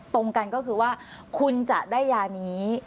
ตรงกันก็คือว่าคุณจะได้ยานี้